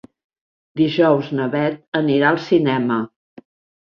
Dijous na Bet anirà al cinema.